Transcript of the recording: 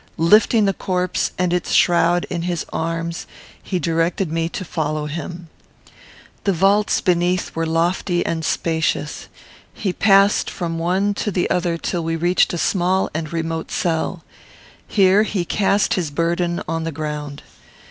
Lifting the corpse and its shroud in his arms, he directed me to follow him. The vaults beneath were lofty and spacious. He passed from one to the other till we reached a small and remote cell. Here he cast his burden on the ground.